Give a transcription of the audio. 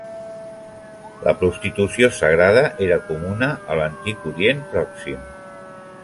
La prostitució sagrada era comuna a l'antic Orient Pròxim.